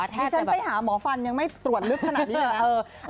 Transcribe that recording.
ที่ฉันไปหาหมอฟันยังไม่ตรวจลึกขนาดนี้เลยนะ